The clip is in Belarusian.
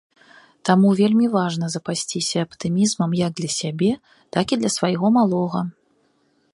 Таму вельмі важна запасціся аптымізмам як для сябе, так і для свайго малога.